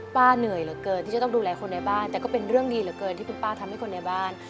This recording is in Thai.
เหนื่อยเหลือเกินที่จะต้องดูแลคนในบ้านแต่ก็เป็นเรื่องดีเหลือเกินที่คุณป้าทำให้คนในบ้าน